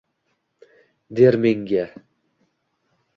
der menga.